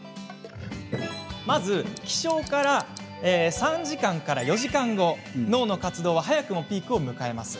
まず起床３時間から４時間後脳の活動は早くもピークを迎えます。